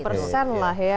satu persen lah ya